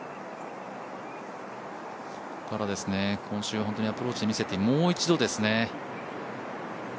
今週、本当にアプローチで見せて、もう一度ですね。